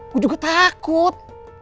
gua juga takut